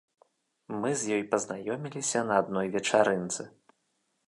Мы з ёй пазнаёміліся на адной вечарынцы.